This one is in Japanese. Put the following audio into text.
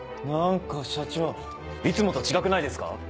何か社長いつもと違くないですか？